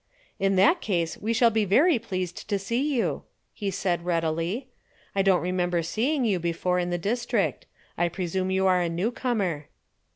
"In that case we shall be very pleased to see you," he replied readily. "I don't remember seeing you before in the district. I presume you are a newcomer."